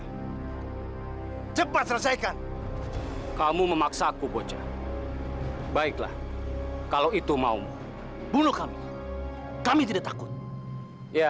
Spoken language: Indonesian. hai cepat selesaikan kamu memaksaku bocah baiklah kalau itu maumun bunuh kami kami tidak takut ya